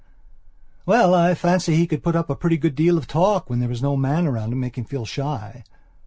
Well, I fancy he could put up a pretty good deal of talk when there was no man around to make him feel shy.